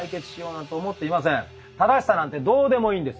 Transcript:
「正しさ」なんてどうでもいいんです。